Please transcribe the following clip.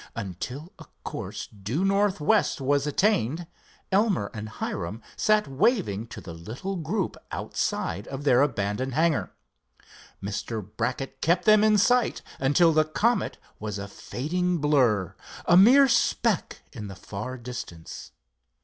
Until a course due northwest was attained, Elmer and Hiram sat waving to the little group outside of their abandoned hangar. Mr. Brackett kept them in sight until the Comet was a fading blur, a mere speck in the far distance.